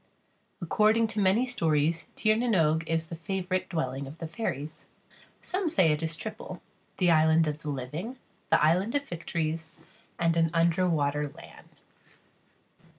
According to many stories, Tír na n Og is the favourite dwelling of the fairies. Some say it is triple the island of the living, the island of victories, and an underwater land.